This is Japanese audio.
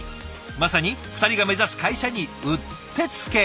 まさに２人が目指す会社にうってつけ。